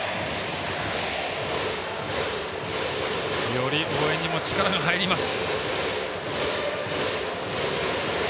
より応援にも力が入ります。